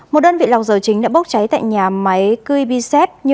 một đơn vị lọc dầu chính đã bốc cháy tại nhà máy cưp